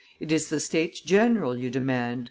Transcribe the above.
"It is the States general you demand!"